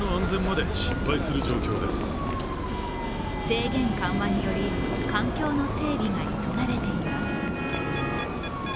制限緩和により、環境の整備が急がれています。